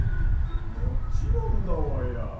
もちろんだわや！